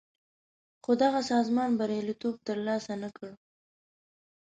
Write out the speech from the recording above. خو دغه سازمان بریالیتوب تر لاسه نه کړ.